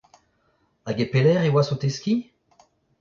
Hag e pelec’h e oas o teskiñ ?